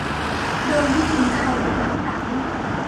โดยไม่ทิ้งใครไว้ข้างหลัง